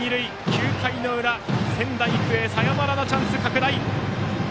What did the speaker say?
９回の裏、仙台育英サヨナラのチャンス拡大。